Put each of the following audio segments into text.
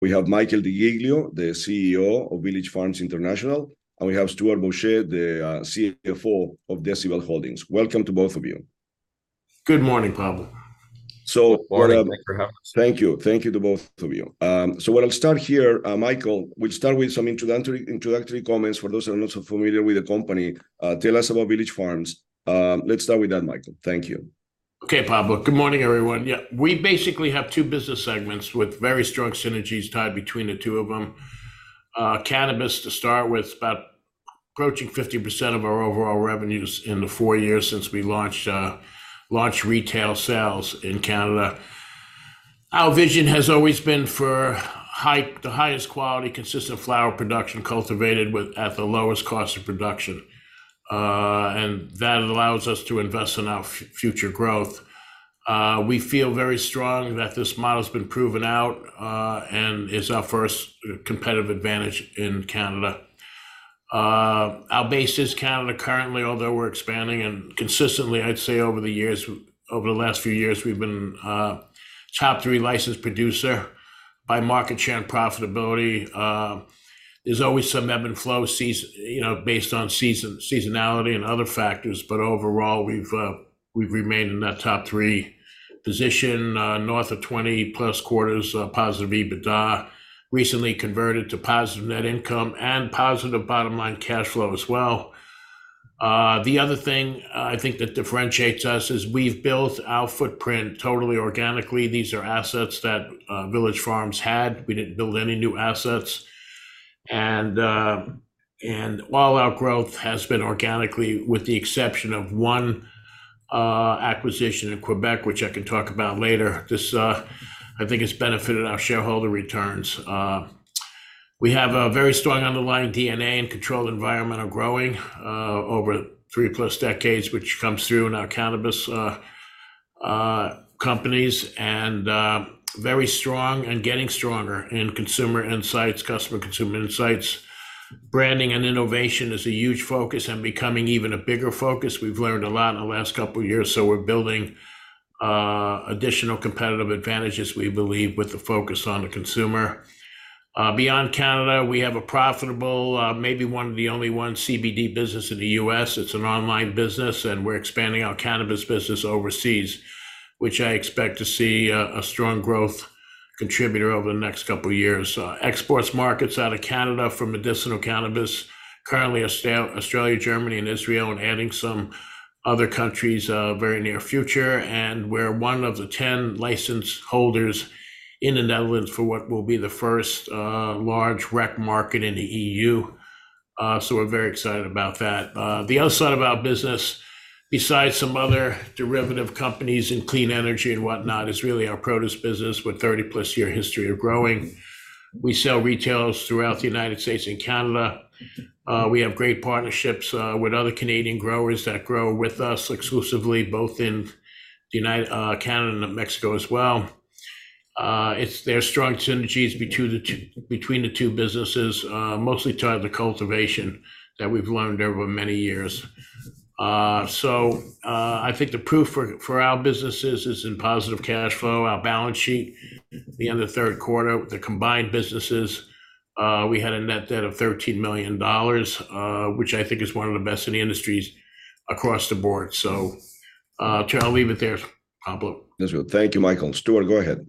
We have Michael DeGiglio, the CEO of Village Farms International, and we have Stuart Boucher, the CFO of Decibel Cannabis Company. Welcome to both of you. Good morning, Pablo. So- Good morning. Thanks for having us. Thank you. Thank you to both of you. So what I'll start here, Michael, we'll start with some introductory comments for those who are not so familiar with the company. Tell us about Village Farms. Let's start with that, Michael. Thank you. Okay, Pablo. Good morning, everyone. Yeah, we basically have two business segments with very strong synergies tied between the two of them. Cannabis, to start with, about approaching 50% of our overall revenues in the four years since we launched retail sales in Canada. Our vision has always been for the highest quality, consistent flower production, cultivated at the lowest cost of production. And that allows us to invest in our future growth. We feel very strong that this model's been proven out, and is our first competitive advantage in Canada. Our base is Canada currently, although we're expanding, and consistently, I'd say over the years, over the last few years, we've been top three licensed producer by market share and profitability. There's always some ebb and flow, you know, based on seasonality and other factors, but overall, we've remained in that top three position, north of 20+ quarters, positive EBITDA. Recently converted to positive net income and positive bottom line cash flow as well. The other thing, I think that differentiates us is we've built our footprint totally organically. These are assets that Village Farms had. We didn't build any new assets. And while our growth has been organically, with the exception of one acquisition in Quebec, which I can talk about later, this I think has benefited our shareholder returns. We have a very strong underlying DNA and controlled environment of growing over 3+ decades, which comes through in our cannabis companies, and very strong and getting stronger in consumer insights, customer consumer insights. Branding and innovation is a huge focus and becoming even a bigger focus. We've learned a lot in the last couple of years, so we're building additional competitive advantages, we believe, with the focus on the consumer. Beyond Canada, we have a profitable, maybe one of the only one CBD business in the U.S. It's an online business, and we're expanding our cannabis business overseas, which I expect to see a strong growth contributor over the next couple of years. Exports markets out of Canada for medicinal cannabis, currently Australia, Germany, and Israel, and adding some other countries very near future. We're one of the 10 license holders in the Netherlands for what will be the first large rec market in the EU. So we're very excited about that. The other side of our business, besides some other derivative companies in clean energy and whatnot, is really our produce business, with 30+ year history of growing. We sell to retailers throughout the United States and Canada. We have great partnerships with other Canadian growers that grow with us exclusively, both in the United States, Canada, and Mexico as well. There are strong synergies between the two businesses, mostly tied to the cultivation that we've learned over many years. So I think the proof for our businesses is in positive cash flow. Our balance sheet, at the end of the third quarter with the combined businesses, we had a net debt of $13 million, which I think is one of the best in the industries across the board. So, Chair, I'll leave it there, Pablo. Yes, well, thank you, Michael. Stuart, go ahead.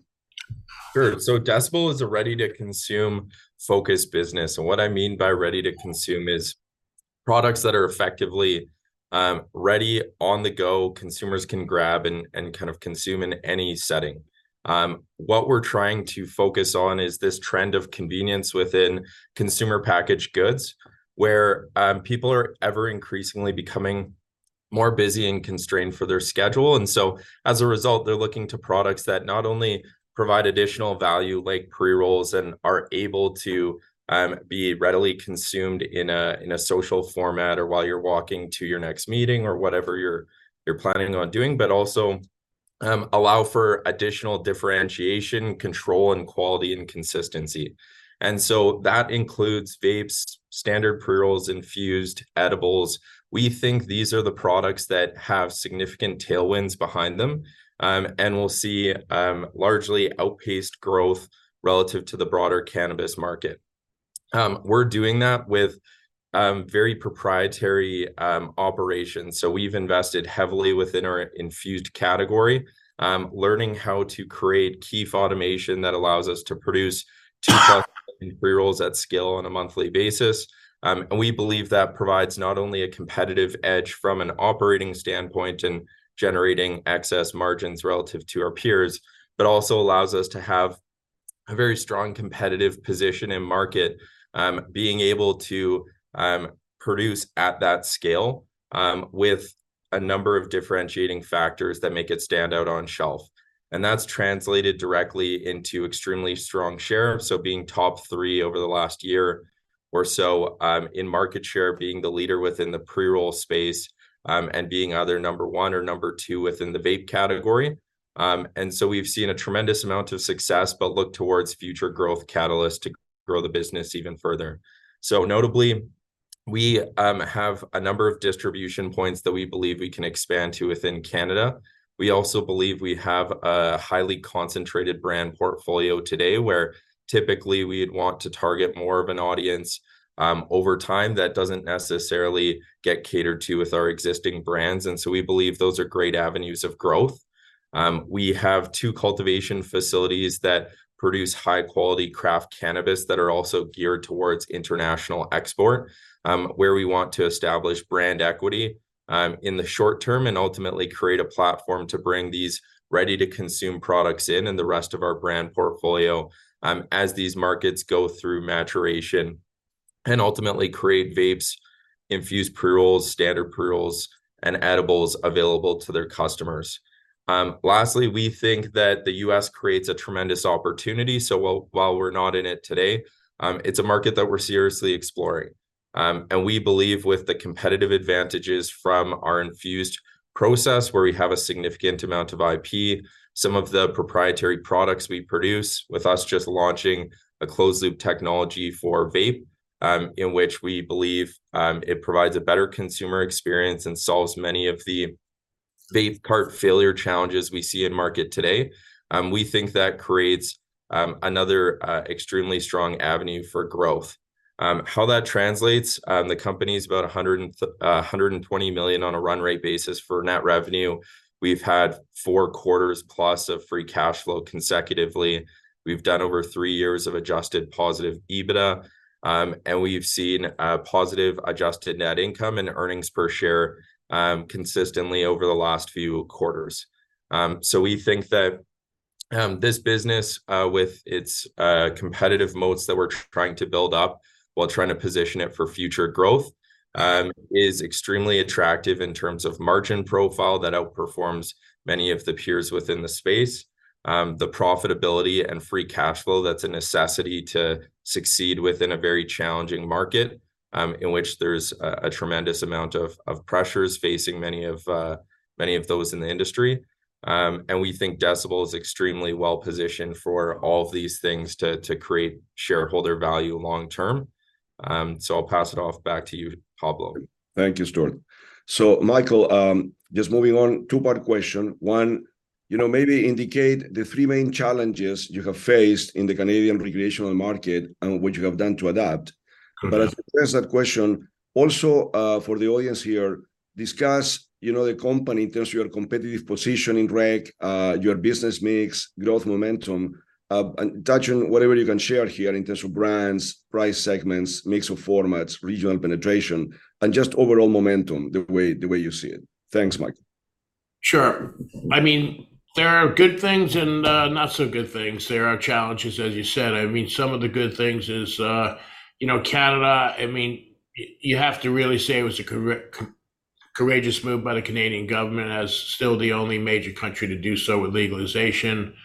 Sure. So Decibel is a ready-to-consume-focused business, and what I mean by ready to consume is products that are effectively ready, on the go, consumers can grab and kind of consume in any setting. What we're trying to focus on is this trend of convenience within consumer packaged goods, where people are ever increasingly becoming more busy and constrained for their schedule. And so, as a result, they're looking to products that not only provide additional value, like pre-rolls, and are able to be readily consumed in a social format or while you're walking to your next meeting or whatever you're planning on doing, but also allow for additional differentiation, control, and quality and consistency. And so that includes vapes, standard pre-rolls, infused edibles. We think these are the products that have significant tailwinds behind them, and will see largely outpaced growth relative to the broader cannabis market. We're doing that with very proprietary operations. So we've invested heavily within our infused category, learning how to create key automation that allows us to produce 2 pre-rolls at scale on a monthly basis. And we believe that provides not only a competitive edge from an operating standpoint and generating excess margins relative to our peers, but also allows us to have a very strong competitive position in market. Being able to produce at that scale, with a number of differentiating factors that make it stand out on shelf, and that's translated directly into extremely strong share. So being top three over the last year or so, in market share, being the leader within the pre-roll space, and being either number 1 or number 2 within the vape category. And so we've seen a tremendous amount of success, but look towards future growth catalysts to grow the business even further. So notably, we have a number of distribution points that we believe we can expand to within Canada. We also believe we have a highly concentrated brand portfolio today, where typically we'd want to target more of an audience, over time that doesn't necessarily get catered to with our existing brands, and so we believe those are great avenues of growth. We have two cultivation facilities that produce high-quality craft cannabis that are also geared towards international export, where we want to establish brand equity, in the short term, and ultimately create a platform to bring these ready-to-consume products in, and the rest of our brand portfolio, as these markets go through maturation, and ultimately create vapes, infused pre-rolls, standard pre-rolls, and edibles available to their customers. Lastly, we think that the U.S. creates a tremendous opportunity, so while we're not in it today, it's a market that we're seriously exploring. And we believe with the competitive advantages from our infused process, where we have a significant amount of IP, some of the proprietary products we produce, with us just launching a closed loop technology for vape, in which we believe, it provides a better consumer experience and solves many of the vape cart failure challenges we see in market today. We think that creates another extremely strong avenue for growth. How that translates, the company's about 120 million on a run rate basis for net revenue. We've had four quarters plus of free cash flow consecutively. We've done over three years of adjusted positive EBITDA, and we've seen a positive adjusted net income and earnings per share, consistently over the last few quarters. So we think that this business, with its competitive moats that we're trying to build up while trying to position it for future growth, is extremely attractive in terms of margin profile that outperforms many of the peers within the space. The profitability and free cash flow, that's a necessity to succeed within a very challenging market, in which there's a tremendous amount of pressures facing many of those in the industry. And we think Decibel is extremely well-positioned for all of these things to create shareholder value long term. So I'll pass it off back to you, Pablo. Thank you, Stuart. So Michael, just moving on, two-part question. One, you know, maybe indicate the three main challenges you have faced in the Canadian recreational market and what you have done to adapt? Sure. But as you answer that question, also, for the audience here, discuss, you know, the company in terms of your competitive position in rec, your business mix, growth momentum, and touching whatever you can share here in terms of brands, price segments, mix of formats, regional penetration, and just overall momentum, the way, the way you see it. Thanks, Michael. Sure. I mean, there are good things and, not so good things. There are challenges, as you said. I mean, some of the good things is, you know, Canada, I mean, you have to really say it was a courageous move by the Canadian government as still the only major country to do so with legalization.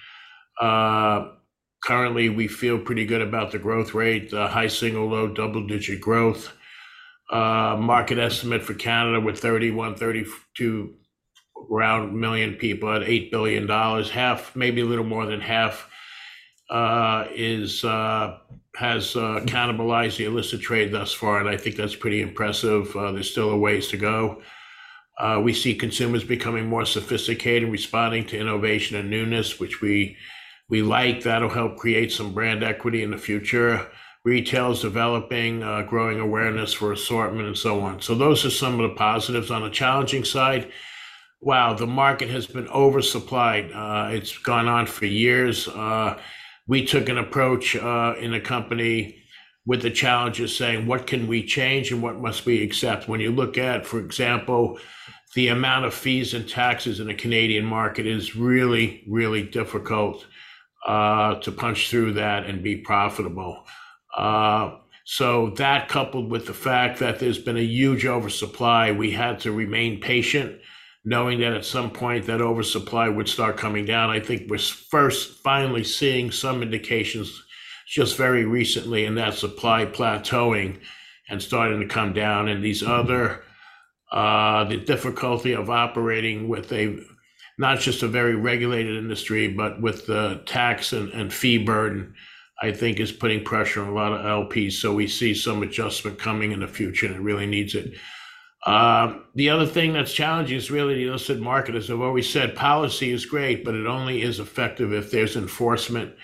Currently, we feel pretty good about the growth rate, high single-, low double-digit growth, market estimate for Canada with 31-32 million people at 8 billion dollars. Half, maybe a little more than half, is, has, cannibalized the illicit trade thus far, and I think that's pretty impressive. There's still a ways to go. We see consumers becoming more sophisticated, responding to innovation and newness, which we, we like. That'll help create some brand equity in the future. Retail is developing, growing awareness for assortment, and so on. So those are some of the positives. On the challenging side, wow, the market has been oversupplied. It's gone on for years. We took an approach in the company with the challenges, saying: What can we change, and what must we accept? When you look at, for example, the amount of fees and taxes in the Canadian market, it is really, really difficult to punch through that and be profitable. So that, coupled with the fact that there's been a huge oversupply, we had to remain patient, knowing that at some point that oversupply would start coming down. I think we're first finally seeing some indications just very recently in that supply plateauing and starting to come down. These other, the difficulty of operating with a, not just a very regulated industry, but with the tax and fee burden, I think is putting pressure on a lot of LPs. So we see some adjustment coming in the future, and it really needs it. The other thing that's challenging is really the illicit market, as I've always said, policy is great, but it only is effective if there's enforcement.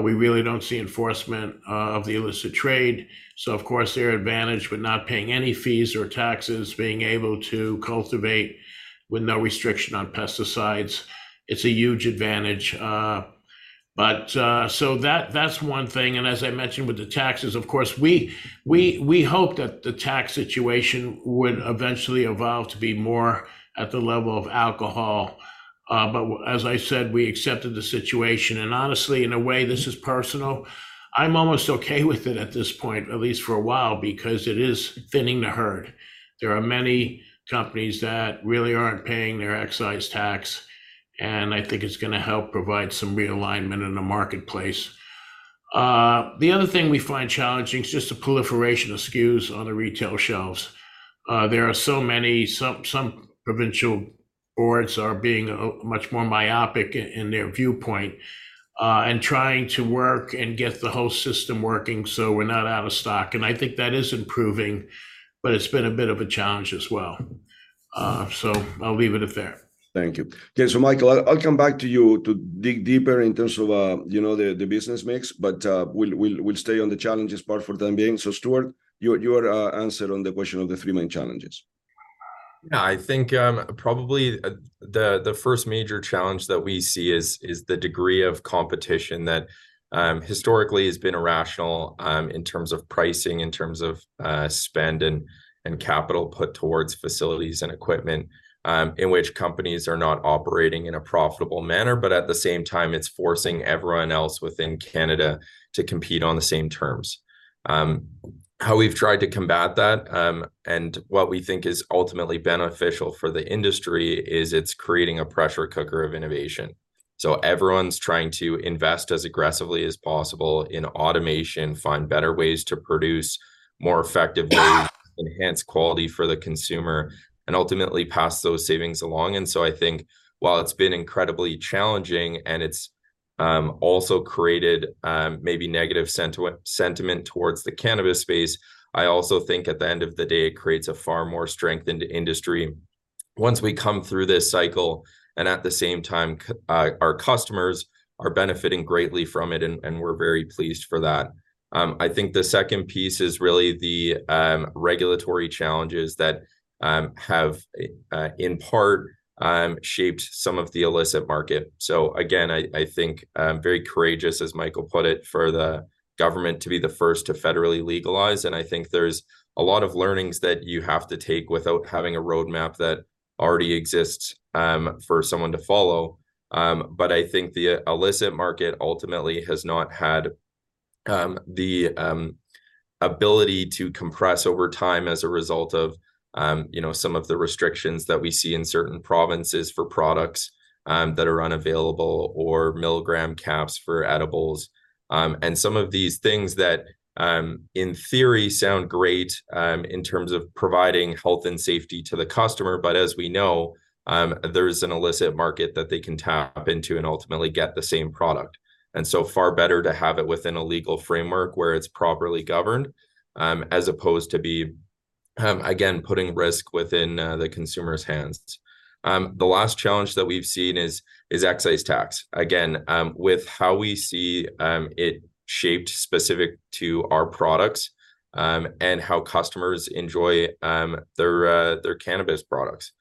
We really don't see enforcement of the illicit trade, so of course, they're advantaged with not paying any fees or taxes, being able to cultivate with no restriction on pesticides. It's a huge advantage, but, so that's one thing. And as I mentioned with the taxes, of course, we hope that the tax situation would eventually evolve to be more at the level of alcohol. But as I said, we accepted the situation, and honestly, in a way, this is personal. I'm almost okay with it at this point, at least for a while, because it is thinning the herd. There are many companies that really aren't paying their excise tax, and I think it's gonna help provide some realignment in the marketplace. The other thing we find challenging is just the proliferation of SKUs on the retail shelves. There are so many, some provincial boards are being much more myopic in their viewpoint, and trying to work and get the whole system working so we're not out of stock. And I think that is improving, but it's been a bit of a challenge as well. So I'll leave it at there. Thank you. Okay, so Michael, I'll come back to you to dig deeper in terms of, you know, the business mix, but we'll stay on the challenges part for the time being. So Stuart, your answer on the question of the three main challenges. Yeah, I think, probably, the first major challenge that we see is the degree of competition that historically has been irrational in terms of pricing, in terms of spend and capital put towards facilities and equipment, in which companies are not operating in a profitable manner, but at the same time, it's forcing everyone else within Canada to compete on the same terms. How we've tried to combat that, and what we think is ultimately beneficial for the industry is it's creating a pressure cooker of innovation. So everyone's trying to invest as aggressively as possible in automation, find better ways to produce more effectively, enhance quality for the consumer, and ultimately pass those savings along. And so I think while it's been incredibly challenging and it's also created maybe negative sentiment towards the cannabis space, I also think at the end of the day, it creates a far more strengthened industry once we come through this cycle. And at the same time, our customers are benefiting greatly from it, and we're very pleased for that. I think the second piece is really the regulatory challenges that have in part shaped some of the illicit market. So again, I think very courageous, as Michael put it, for the government to be the first to federally legalize. And I think there's a lot of learnings that you have to take without having a roadmap that already exists for someone to follow. But I think the illicit market ultimately has not had the ability to compress over time as a result of you know some of the restrictions that we see in certain provinces for products that are unavailable or milligram caps for edibles. And some of these things that in theory sound great in terms of providing health and safety to the customer, but as we know, there's an illicit market that they can tap into and ultimately get the same product. And so far better to have it within a legal framework where it's properly governed as opposed to be again putting risk within the consumer's hands. The last challenge that we've seen is excise tax. Again, with how we see it shaped specific to our products, and how customers enjoy their cannabis products.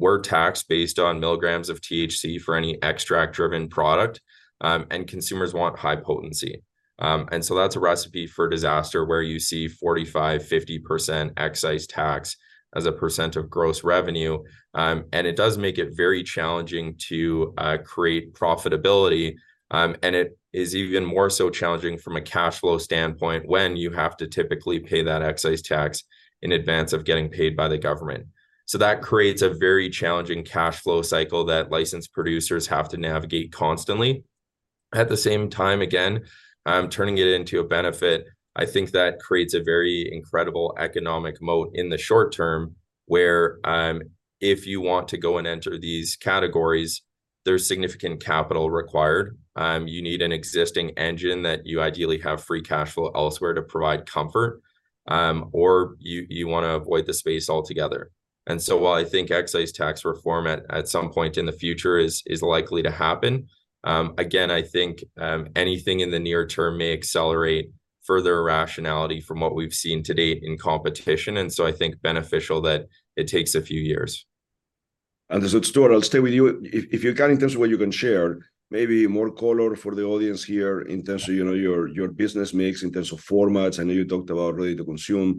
We're taxed based on milligrams of THC for any extract-driven product, and consumers want high potency. And so that's a recipe for disaster, where you see 45%-50% excise tax as a percent of gross revenue. And it does make it very challenging to create profitability. And it is even more so challenging from a cash flow standpoint, when you have to typically pay that excise tax in advance of getting paid by the government. So that creates a very challenging cash flow cycle that licensed producers have to navigate constantly. At the same time, again, turning it into a benefit, I think that creates a very incredible economic moat in the short term, where, if you want to go and enter these categories, there's significant capital required. You need an existing engine that you ideally have free cash flow elsewhere to provide comfort, or you wanna avoid the space altogether. And so while I think excise tax reform at some point in the future is likely to happen, again, I think, anything in the near term may accelerate further irrationality from what we've seen to date in competition, and so I think beneficial that it takes a few years. And so Stuart, I'll stay with you. If, if you can, in terms of what you can share, maybe more color for the audience here in terms of, you know, your, your business mix, in terms of formats. I know you talked about ready-to-consume,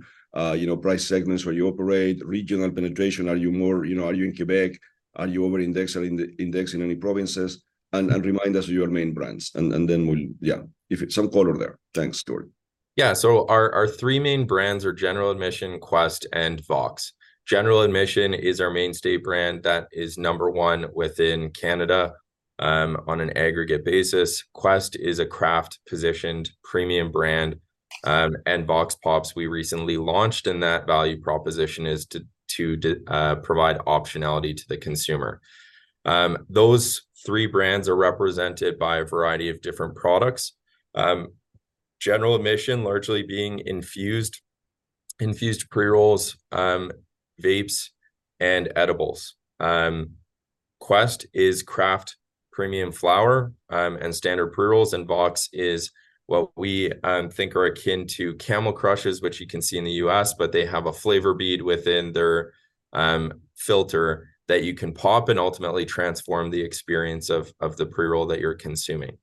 you know, price segments where you operate, regional penetration. Are you more... You know, are you in Quebec? Are you over-indexed in, indexed in any provinces? And, and remind us of your main brands, and then, then we'll... Yeah, if some color there. Thanks, Stuart. Yeah. So our three main brands are General Admission, Qwest, and Vox. General Admission is our mainstay brand that is number one within Canada, on an aggregate basis. Qwest is a craft-positioned premium brand. And Vox Popz, we recently launched, and that value proposition is to provide optionality to the consumer. Those three brands are represented by a variety of different products. General Admission, largely being infused pre-rolls, vapes, and edibles. Qwest is craft premium flower, and standard pre-rolls. And Vox is what we think are akin to Camel Crushes, which you can see in the U.S., but they have a flavor bead within their filter that you can pop and ultimately transform the experience of the pre-roll that you're consuming.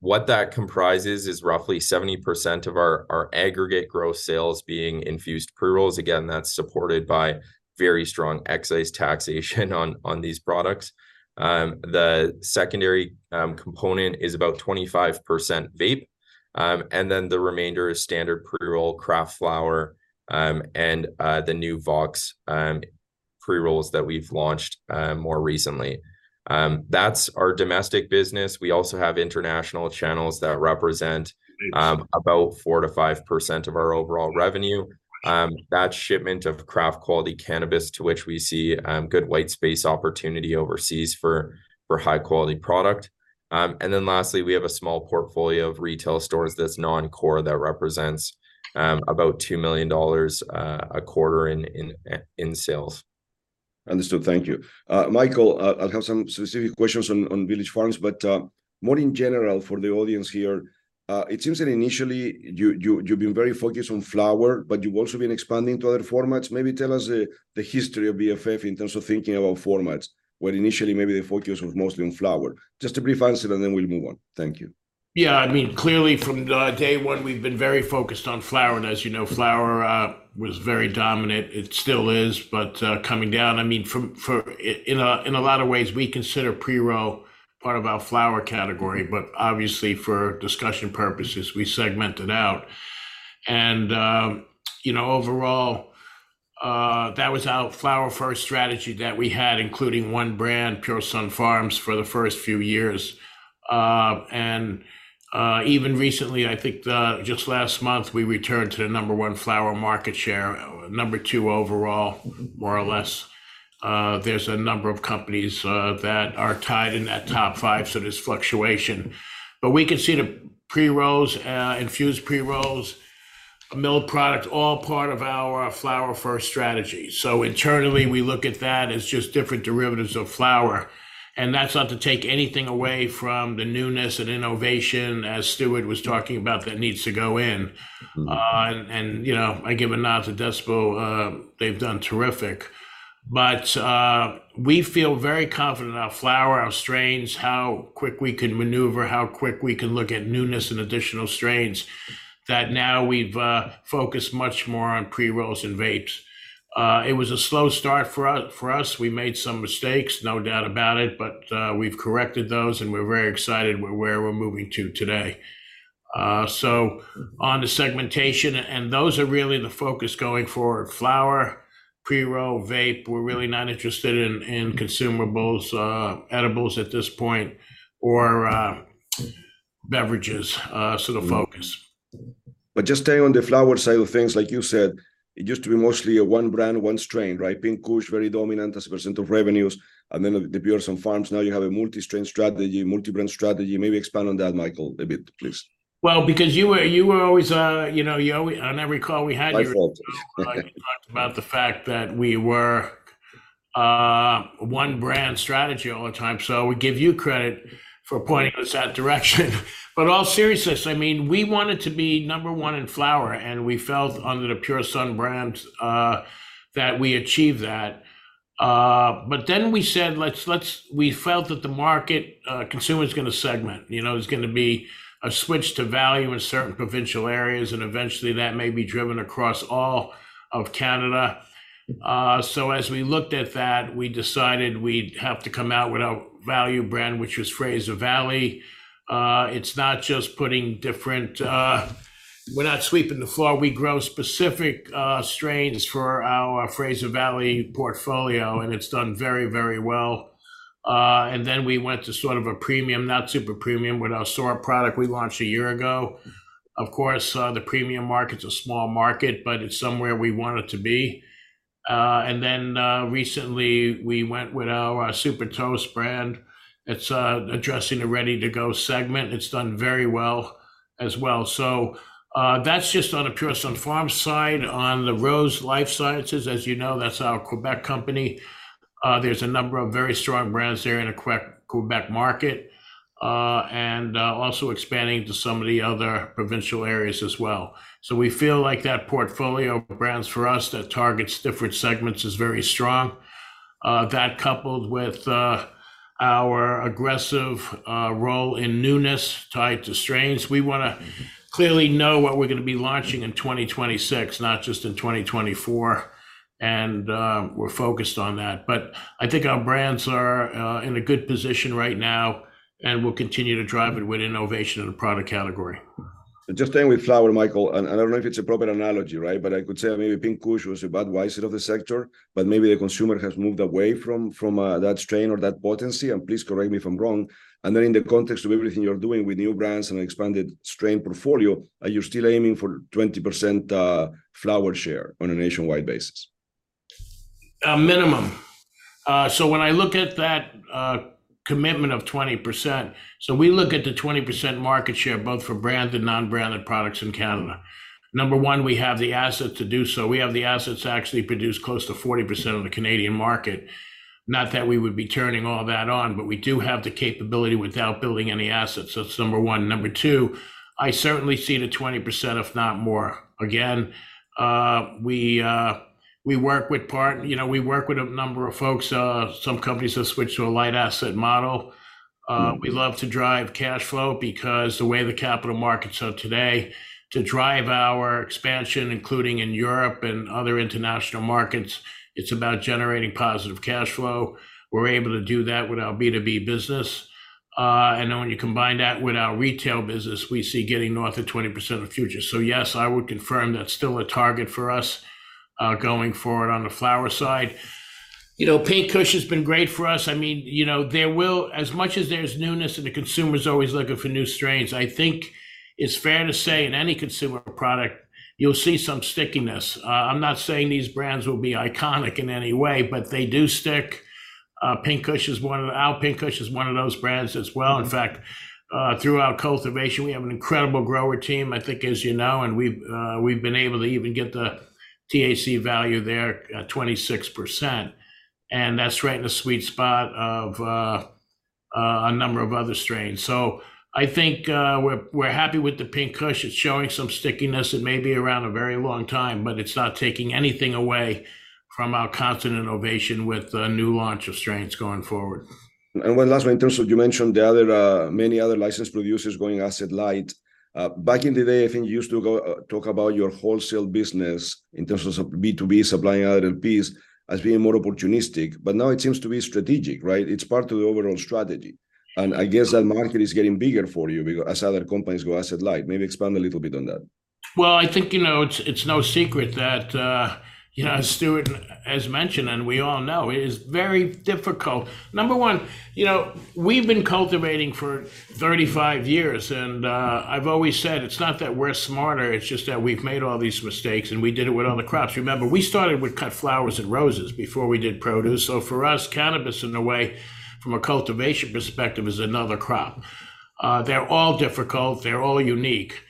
What that comprises is roughly 70% of our aggregate gross sales being infused pre-rolls. Again, that's supported by very strong excise taxation on these products. The secondary component is about 25% vape, and then the remainder is standard pre-roll craft flower, and the new Vox pre-rolls that we've launched more recently. That's our domestic business. We also have international channels that represent about 4%-5% of our overall revenue. That's shipment of craft-quality cannabis to which we see good white space opportunity overseas for high-quality product. And then lastly, we have a small portfolio of retail stores that's non-core that represents about $2 million a quarter in sales. Understood. Thank you. Michael, I'll have some specific questions on Village Farms, but more in general for the audience here, it seems that initially, you've been very focused on flower, but you've also been expanding to other formats. Maybe tell us the history of VFF in terms of thinking about formats, where initially maybe the focus was mostly on flower. Just a brief answer, and then we'll move on. Thank you. Yeah, I mean, clearly from day one, we've been very focused on flower, and as you know, flower was very dominant. It still is, but coming down. I mean, in a lot of ways, we consider pre-roll part of our flower category, but obviously, for discussion purposes, we segment it out. And you know, overall, that was our flower-first strategy that we had, including one brand, Pure Sunfarms, for the first few years. And even recently, I think, just last month, we returned to the number one flower market share, number two overall, more or less. There's a number of companies that are tied in that top five, so there's fluctuation. But we can see the pre-rolls, infused pre-rolls, milled product, all part of our flower-first strategy. Internally, we look at that as just different derivatives of flower, and that's not to take anything away from the newness and innovation, as Stuart was talking about, that needs to go in. Mm. You know, I give a nod to Decibel. They've done terrific. But we feel very confident in our flower, our strains, how quick we can maneuver, how quick we can look at newness and additional strains, that now we've focused much more on pre-rolls and vapes. It was a slow start for us. We made some mistakes, no doubt about it, but we've corrected those, and we're very excited where we're moving to today. So on to segmentation, and those are really the focus going forward. Flower, pre-roll, vape. We're really not interested in consumables, edibles at this point, or beverages, so the focus. But just staying on the flower side of things, like you said, it used to be mostly a one brand, one strain, right? Pink Kush, very dominant as a percent of revenues, and then the Pure Sunfarms. Now you have a multi-strain strategy, multi-brand strategy. Maybe expand on that, Michael, a bit, please. Well, because you were always, you know, you alway- I now recall we had you- My fault.... you talked about the fact that we were a one-brand strategy all the time, so I would give you credit for pointing us that direction. But all seriousness, I mean, we wanted to be number one in flower, and we felt under the Pure Sunfarms that we achieved that. But then we said, "Let's --" we felt that the market, consumer's gonna segment. You know, there's gonna be a switch to value in certain provincial areas, and eventually, that may be driven across all of Canada. So as we looked at that, we decided we'd have to come out with our value brand, which was Fraser Valley. It's not just putting different... we're not sweeping the floor. We grow specific strains for our Fraser Valley portfolio, and it's done very, very well. And then we went to sort of a premium, not super premium, with our Soar product we launched a year ago. Of course, the premium market's a small market, but it's somewhere we want it to be. And then, recently we went with our, our Super Toast brand. It's, addressing the ready-to-go segment, and it's done very well as well. So, that's just on the Pure Sunfarms side. On the Rose LifeScience, as you know, that's our Quebec company. There's a number of very strong brands there in the Quebec market, and, also expanding to some of the other provincial areas as well. So we feel like that portfolio of brands for us that targets different segments is very strong. That coupled with our aggressive role in newness tied to strains, we wanna clearly know what we're gonna be launching in 2026, not just in 2024, and we're focused on that. But I think our brands are in a good position right now, and we'll continue to drive it with innovation in the product category. Just staying with flower, Michael, and I don't know if it's a proper analogy, right? But I could say maybe Pink Kush was a Budweiser of the sector, but maybe the consumer has moved away from that strain or that potency, and please correct me if I'm wrong. And then in the context of everything you're doing with new brands and expanded strain portfolio, are you still aiming for 20% flower share on a nationwide basis? A minimum. So when I look at that, commitment of 20%, so we look at the 20% market share both for branded, non-branded products in Canada. Number one, we have the assets to do so. We have the assets to actually produce close to 40% of the Canadian market. Not that we would be turning all that on, but we do have the capability without building any assets. So that's number one. Number two, I certainly see the 20%, if not more. Again, we work with... You know, we work with a number of folks. Some companies have switched to a light asset model. Mm. We love to drive cash flow because the way the capital markets are today, to drive our expansion, including in Europe and other international markets, it's about generating positive cash flow. We're able to do that with our B2B business. And then when you combine that with our retail business, we see getting north of 20% in the future. So yes, I would confirm that's still a target for us. Going forward on the flower side. You know, Pink Kush has been great for us. I mean, you know, as much as there's newness, and the consumer's always looking for new strains, I think it's fair to say in any consumer product, you'll see some stickiness. I'm not saying these brands will be iconic in any way, but they do stick. Pink Kush is one of them. Our Pink Kush is one of those brands as well. In fact, through our cultivation, we have an incredible grower team, I think, as you know, and we've been able to even get the THC value there at 26%, and that's right in the sweet spot of a number of other strains. So I think, we're happy with the Pink Kush. It's showing some stickiness. It may be around a very long time, but it's not taking anything away from our constant innovation with the new launch of strains going forward. And one last one in terms of you mentioned the other, many other licensed producers going asset-light. Back in the day, I think you used to go, talk about your wholesale business in terms of B2B, supplying LPs as being more opportunistic, but now it seems to be strategic, right? It's part of the overall strategy, and I guess that market is getting bigger for you because as other companies go asset-light. Maybe expand a little bit on that. Well, I think, you know, it's, it's no secret that, you know, as Stuart has mentioned, and we all know, it is very difficult. Number one, you know, we've been cultivating for 35 years, and, I've always said, it's not that we're smarter, it's just that we've made all these mistakes, and we did it with other crops. Remember, we started with cut flowers and roses before we did produce. So for us, cannabis in a way, from a cultivation perspective, is another crop. They're all difficult, they're all unique,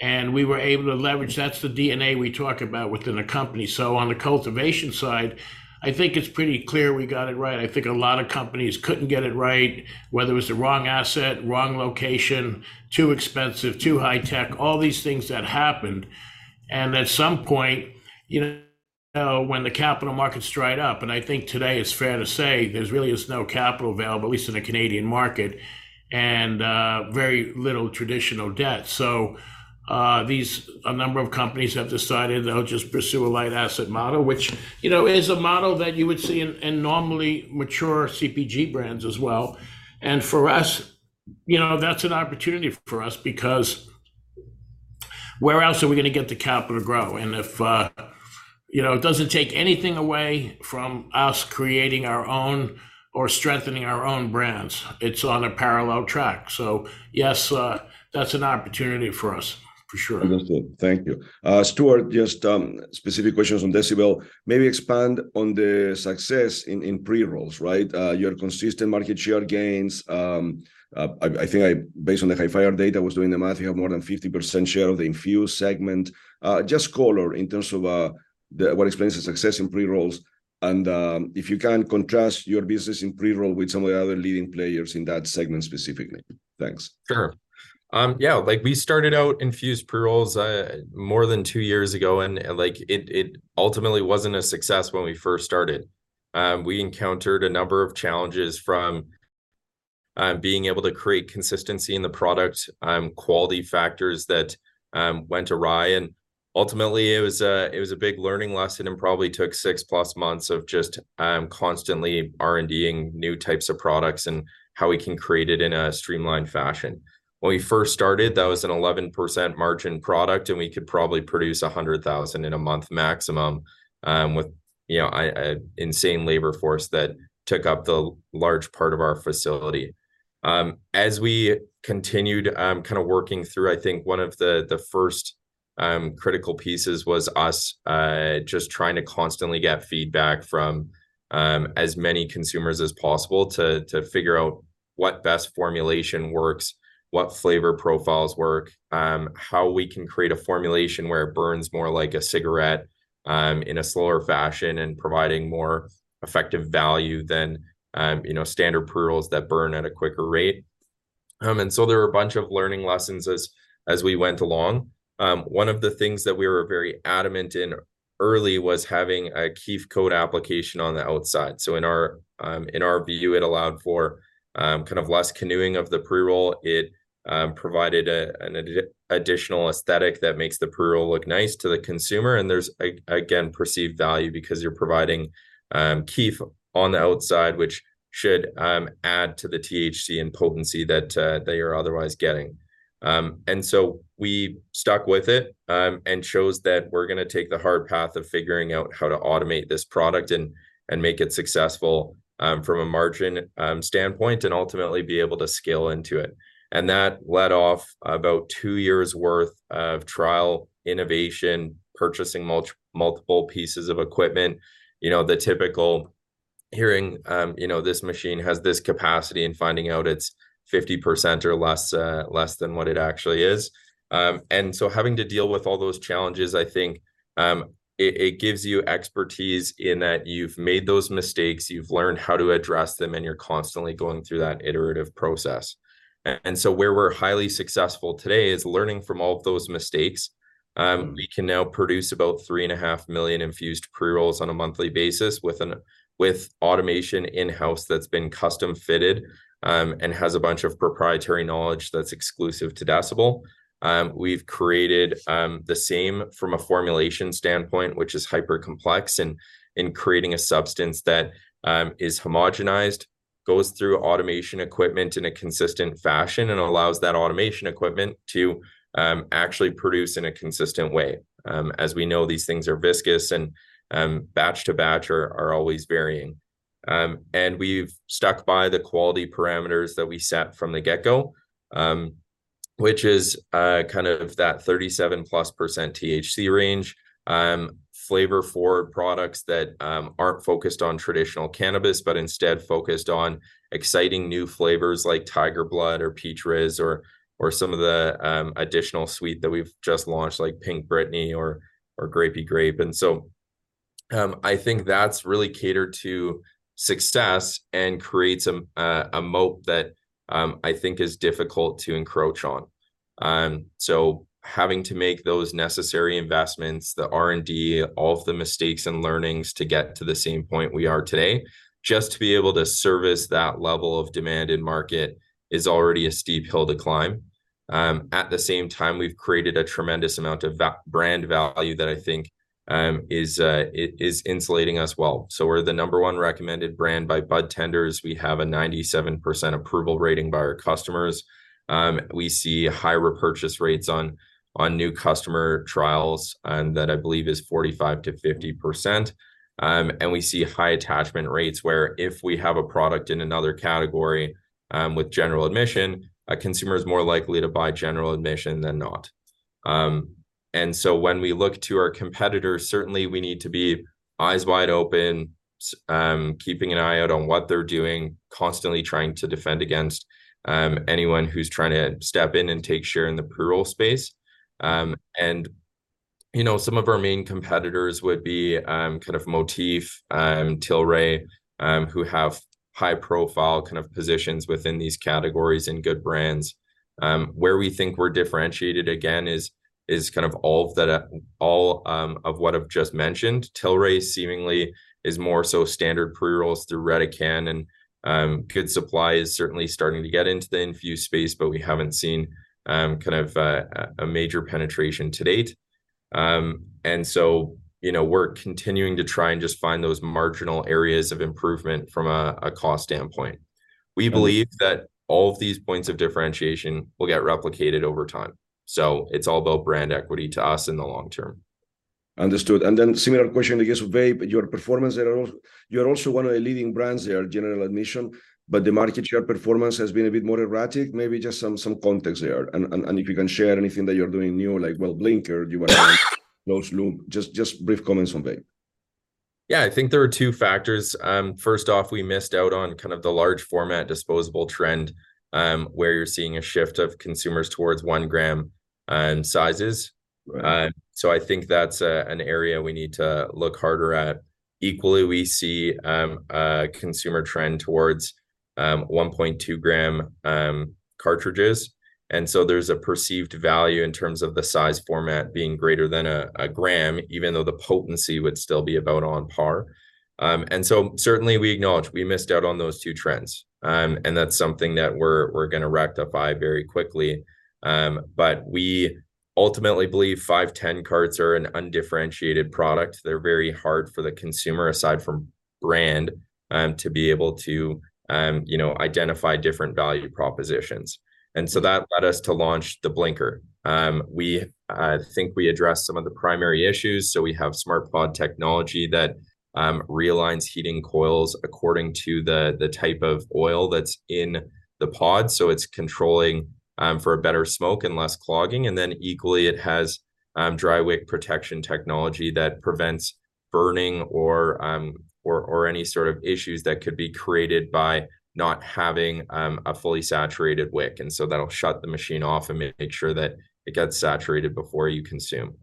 and we were able to leverage... That's the DNA we talk about within the company. So on the cultivation side, I think it's pretty clear we got it right. I think a lot of companies couldn't get it right, whether it was the wrong asset, wrong location, too expensive, too high tech, all these things that happened. And at some point, you know, when the capital markets dried up, and I think today it's fair to say there's really no capital available, at least in the Canadian market, and very little traditional debt. So, these, a number of companies have decided they'll just pursue a light asset model, which, you know, is a model that you would see in normally mature CPG brands as well. And for us, you know, that's an opportunity for us because where else are we gonna get the capital to grow? And if you know, it doesn't take anything away from us creating our own or strengthening our own brands. It's on a parallel track. So yes, that's an opportunity for us, for sure. Understood. Thank you. Stuart, just, specific questions on Decibel. Maybe expand on the success in, in pre-rolls, right? Your consistent market share gains, I think, based on the Hifyre data, I was doing the math, you have more than 50% share of the infused segment. Just color in terms of, the, what explains the success in pre-rolls, and, if you can, contrast your business in pre-roll with some of the other leading players in that segment specifically. Thanks. Sure. Yeah, like we started out infused pre-rolls more than 2 years ago, and, like, it, it ultimately wasn't a success when we first started. We encountered a number of challenges from being able to create consistency in the product, quality factors that went awry, and ultimately it was a, it was a big learning lesson, and probably took 6-plus months of just constantly R&D-ing new types of products and how we can create it in a streamlined fashion. When we first started, that was an 11% margin product, and we could probably produce 100,000 in a month maximum, with, you know, I, an insane labor force that took up the large part of our facility. As we continued, kind of working through, I think one of the first critical pieces was us just trying to constantly get feedback from as many consumers as possible to figure out what best formulation works, what flavor profiles work, how we can create a formulation where it burns more like a cigarette in a slower fashion and providing more effective value than you know, standard pre-rolls that burn at a quicker rate. And so there were a bunch of learning lessons as we went along. One of the things that we were very adamant in early was having a kief coat application on the outside. So in our view, it allowed for kind of less canoeing of the pre-roll. It provided an additional aesthetic that makes the pre-roll look nice to the consumer, and there's again perceived value because you're providing kief on the outside, which should add to the THC and potency that they are otherwise getting. And so we stuck with it and chose that we're gonna take the hard path of figuring out how to automate this product and make it successful from a margin standpoint, and ultimately be able to scale into it. And that led off about two years' worth of trial, innovation, purchasing multiple pieces of equipment. You know, the typical hearing, you know, this machine has this capacity, and finding out it's 50% or less, less than what it actually is. Having to deal with all those challenges, I think, it gives you expertise in that you've made those mistakes, you've learned how to address them, and you're constantly going through that iterative process. And so where we're highly successful today is learning from all of those mistakes. We can now produce about 3.5 million infused pre-rolls on a monthly basis with automation in-house that's been custom-fitted, and has a bunch of proprietary knowledge that's exclusive to Decibel. We've created the same from a formulation standpoint, which is hypercomplex, in creating a substance that is homogenized, goes through automation equipment in a consistent fashion, and allows that automation equipment to actually produce in a consistent way. As we know, these things are viscous and, batch to batch, are always varying. We've stuck by the quality parameters that we set from the get-go, which is kind of that 37%+ THC range. Flavor for products that aren't focused on traditional cannabis, but instead focused on exciting new flavors like Tiger Blood or Peach Rizz or some of the additional suite that we've just launched, like Pink Britneys or Grapey Grape. So, I think that's really catered to success and creates a moat that I think is difficult to encroach on. So having to make those necessary investments, the R&D, all of the mistakes and learnings to get to the same point we are today, just to be able to service that level of demand in market is already a steep hill to climb. At the same time, we've created a tremendous amount of brand value that I think is insulating us well. So we're the number one recommended brand by budtenders. We have a 97% approval rating by our customers. We see high repurchase rates on new customer trials, and that I believe is 45%-50%. And we see high attachment rates, where if we have a product in another category with General Admission, a consumer is more likely to buy General Admission than not. And so when we look to our competitors, certainly we need to be eyes wide open, keeping an eye out on what they're doing, constantly trying to defend against anyone who's trying to step in and take share in the pre-roll space. And, you know, some of our main competitors would be kind of Motif, Tilray, who have high-profile kind of positions within these categories and good brands. Where we think we're differentiated again is kind of all of that, all of what I've just mentioned. Tilray seemingly is more so standard pre-rolls through Redecan, and Good Supply is certainly starting to get into the infused space, but we haven't seen kind of a major penetration to date. So, you know, we're continuing to try and just find those marginal areas of improvement from a cost standpoint. We believe that all of these points of differentiation will get replicated over time, so it's all about brand equity to us in the long term. Understood. And then similar question, I guess, on vape, your performance there. You're also one of the leading brands there, General Admission, but the market share performance has been a bit more erratic. Maybe just some context there, and if you can share anything that you're doing new, like, well, Blinker, your closed-loop. Just brief comments on vape. Yeah, I think there are two factors. First off, we missed out on kind of the large format disposable trend, where you're seeing a shift of consumers towards 1-gram sizes. Right. So I think that's an area we need to look harder at. Equally, we see a consumer trend towards 1.2-gram cartridges, and so there's a perceived value in terms of the size format being greater than a gram, even though the potency would still be about on par. And so certainly we acknowledge we missed out on those two trends, and that's something that we're gonna rectify very quickly. But we ultimately believe 510 carts are an undifferentiated product. They're very hard for the consumer, aside from brand, to be able to you know identify different value propositions, and so that led us to launch the Blinker. I think we addressed some of the primary issues, so we have smart pod technology that realigns heating coils according to the type of oil that's in the pod, so it's controlling for a better smoke and less clogging. And then equally, it has dry wick protection technology that prevents burning or any sort of issues that could be created by not having a fully saturated wick, and so that'll shut the machine off and make sure that it gets saturated before you consume.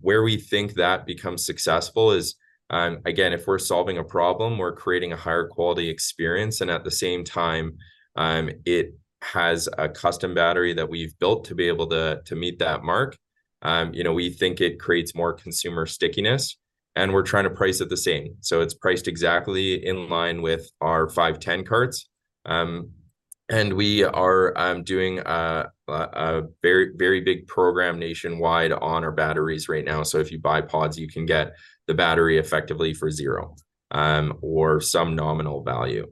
Where we think that becomes successful is, again, if we're solving a problem, we're creating a higher quality experience, and at the same time, it has a custom battery that we've built to be able to meet that mark. You know, we think it creates more consumer stickiness, and we're trying to price it the same. So it's priced exactly in line with our 510 carts. And we are doing a very, very big program nationwide on our batteries right now, so if you buy pods, you can get the battery effectively for zero, or some nominal value.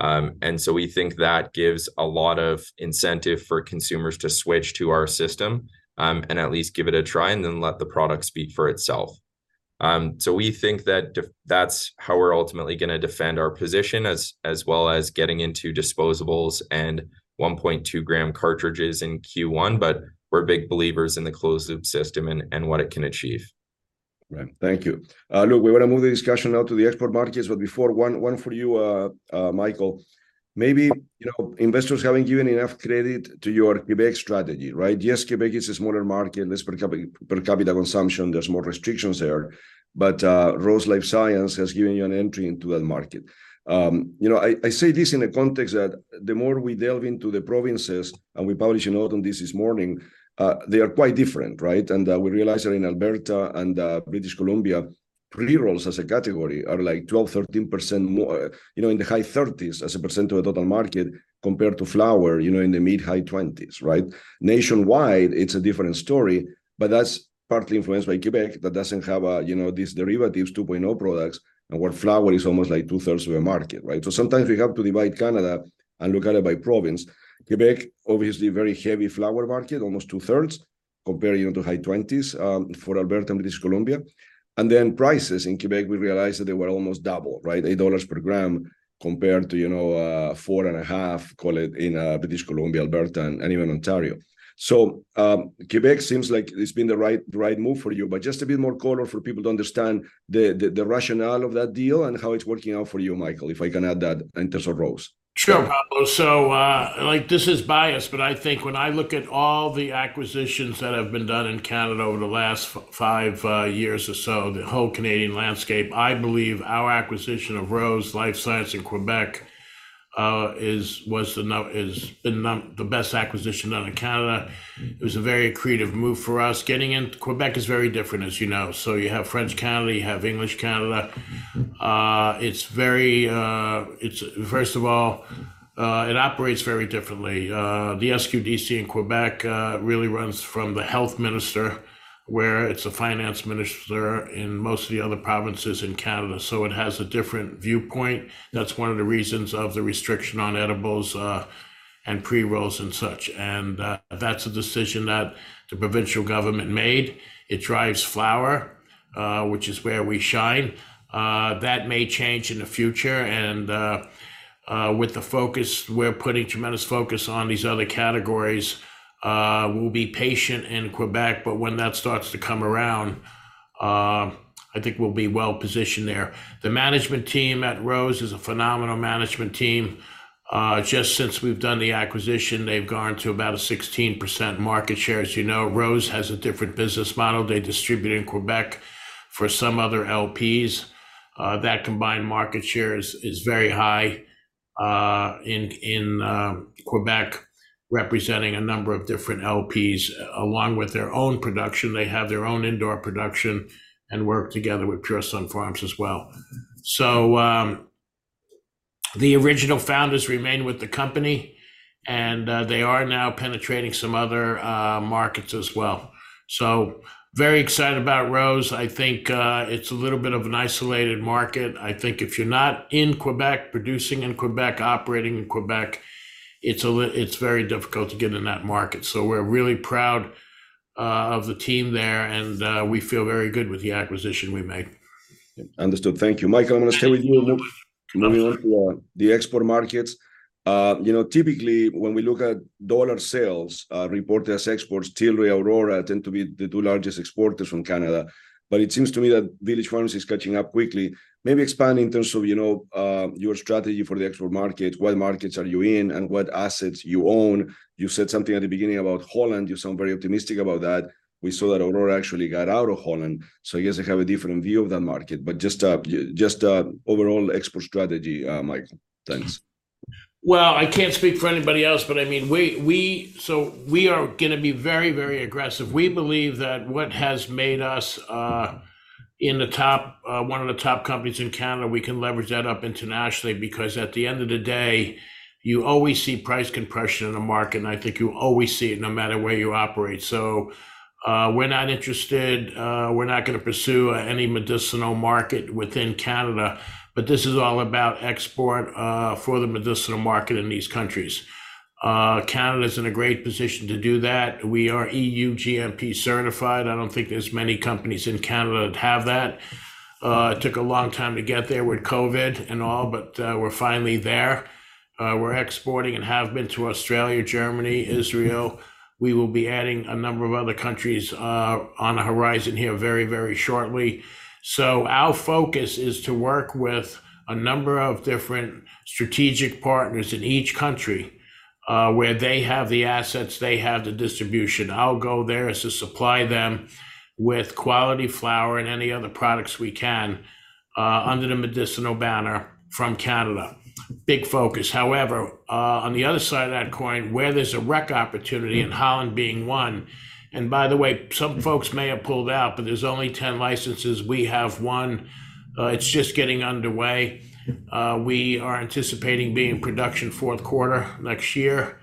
And so we think that gives a lot of incentive for consumers to switch to our system, and at least give it a try, and then let the product speak for itself. So we think that's how we're ultimately gonna defend our position, as well as getting into disposables and 1.2 g cartridges in Q1, but we're big believers in the closed-loop system and what it can achieve. Right. Thank you. Look, we wanna move the discussion now to the export markets, but before, one for you, Michael. Maybe, you know, investors haven't given enough credit to your Quebec strategy, right? Yes, Quebec is a smaller market, and less per capita consumption, there's more restrictions there, but Rose LifeScience has given you an entry into that market. You know, I say this in a context that the more we delve into the provinces, and we published a note on this this morning, they are quite different, right? And we realize that in Alberta and British Columbia, pre-rolls as a category are, like, 12%-13% more, you know, in the high 30s% as a percent of the total market, compared to flower, you know, in the mid-high 20s%, right? Nationwide, it's a different story, but that's partly influenced by Quebec, that doesn't have a, you know, these derivatives 2.0 products, and where flower is almost, like, 2/3 of the market, right? So sometimes we have to divide Canada and look at it by province. Quebec, obviously a very heavy flower market, almost 2/3, comparing to high 20s for Alberta and British Columbia. And then prices in Quebec, we realized that they were almost double, right? 8 dollars per g compared to, you know, 4.5, call it, in British Columbia, Alberta, and even Ontario. So, Quebec seems like it's been the right, the right move for you. But just a bit more color for people to understand the rationale of that deal and how it's working out for you, Michael, if I can add that in terms of Rose. Sure, Pablo. So, like, this is biased, but I think when I look at all the acquisitions that have been done in Canada over the last 5 years or so, the whole Canadian landscape, I believe our acquisition of Rose LifeScience in Quebec is the best acquisition done in Canada. It was a very creative move for us. Getting into Quebec is very different, as you know, so you have French Canada, you have English Canada. It's very... It's, first of all, it operates very differently. The SQDC in Quebec really runs from the health minister, where it's a finance minister in most of the other provinces in Canada, so it has a different viewpoint. That's one of the reasons of the restriction on edibles, and pre-rolls and such, and, that's a decision that the provincial government made. It drives flower, which is where we shine. That may change in the future and, with the focus, we're putting tremendous focus on these other categories. We'll be patient in Quebec, but when that starts to come around, I think we'll be well-positioned there. The management team at Rose is a phenomenal management team. Just since we've done the acquisition, they've gone to about a 16% market share. As you know, Rose has a different business model. They distribute in Quebec for some other LPs. That combined market share is very high, in Quebec, representing a number of different LPs, along with their own production. They have their own indoor production and work together with Pure Sunfarms as well. So, the original founders remain with the company, and, they are now penetrating some other, markets as well. So very excited about Rose. I think, it's a little bit of an isolated market. I think if you're not in Quebec, producing in Quebec, operating in Quebec, it's very difficult to get in that market. So we're really proud, of the team there, and, we feel very good with the acquisition we made. Understood. Thank you, Michael. I'm going to stay with you a little- Absolutely... moving on to the export markets. You know, typically, when we look at dollar sales, reported as exports, Tilray, Aurora tend to be the two largest exporters from Canada, but it seems to me that Village Farms is catching up quickly. Maybe expand in terms of, you know, your strategy for the export market. What markets are you in, and what assets you own? You said something at the beginning about Holland. You sound very optimistic about that. We saw that Aurora actually got out of Holland, so I guess they have a different view of that market, but just a, just a overall export strategy, Michael. Thanks. Well, I can't speak for anybody else, but, I mean, so we are gonna be very, very aggressive. We believe that what has made us in the top one of the top companies in Canada, we can leverage that up internationally. Because at the end of the day, you always see price compression in a market, and I think you always see it no matter where you operate. So, we're not interested, we're not gonna pursue any medicinal market within Canada, but this is all about export for the medicinal market in these countries. Canada's in a great position to do that. We are EU GMP certified. I don't think there's many companies in Canada that have that. It took a long time to get there with COVID and all, but, we're finally there. We're exporting and have been to Australia, Germany, Israel. We will be adding a number of other countries on the horizon here very, very shortly. So our focus is to work with a number of different strategic partners in each country, where they have the assets, they have the distribution. I'll go there as to supply them with quality flower and any other products we can under the medicinal banner from Canada. Big focus. However, on the other side of that coin, where there's a rec opportunity, and Holland being one. And by the way, some folks may have pulled out, but there's only 10 licenses. We have one. It's just getting underway. We are anticipating being in production fourth quarter next year.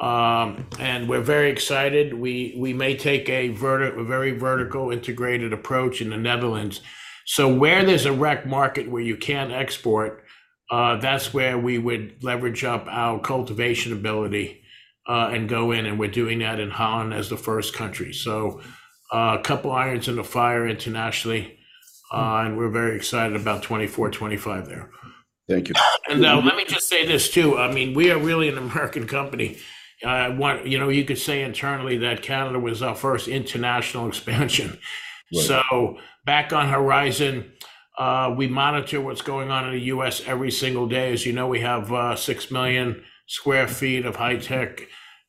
And we're very excited. We may take a very vertical integrated approach in the Netherlands. Where there's a rec market where you can't export, that's where we would leverage up our cultivation ability, and go in, and we're doing that in Holland as the first country. So, a couple of irons in the fire internationally, and we're very excited about 2024, 2025 there. Thank you. Now let me just say this, too. I mean, we are really an American company. You know, you could say internally that Canada was our first international expansion. Right. So back on horizon, we monitor what's going on in the U.S. every single day. As you know, we have 6 million sq ft of high-tech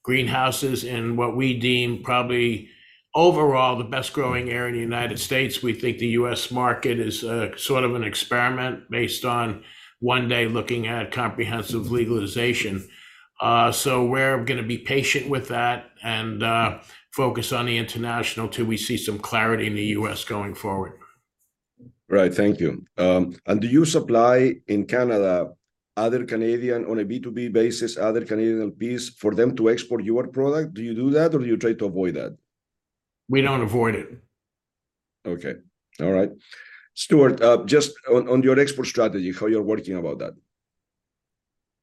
greenhouses in what we deem probably overall the best-growing area in the United States. We think the U.S. market is sort of an experiment based on one day looking at comprehensive legalization.... so we're gonna be patient with that, and focus on the international till we see some clarity in the U.S. going forward. Right, thank you. Do you supply in Canada, other Canadian on a B2B basis, other Canadian piece for them to export your product? Do you do that or do you try to avoid that? We don't avoid it. Okay. All right. Stuart, just on your export strategy, how you're working about that?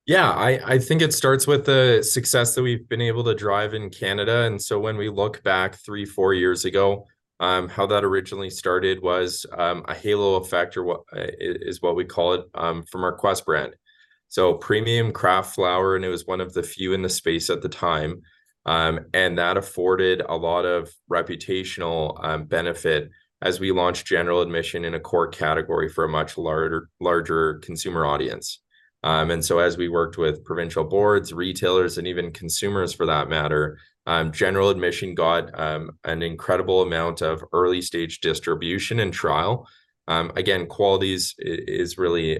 Yeah, I think it starts with the success that we've been able to drive in Canada. So when we look back 3-4 years ago, how that originally started was a halo effect, or what is what we call it, from our Qwest brand. So premium craft flower, and it was one of the few in the space at the time. That afforded a lot of reputational benefit as we launched General Admission in a core category for a much larger consumer audience. So as we worked with provincial boards, retailers, and even consumers for that matter, General Admission got an incredible amount of early-stage distribution and trial. Again, quality is really,